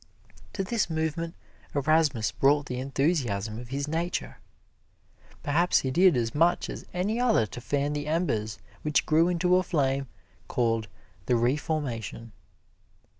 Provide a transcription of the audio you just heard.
To this movement Erasmus brought the enthusiasm of his nature. Perhaps he did as much as any other to fan the embers which grew into a flame called "The Reformation."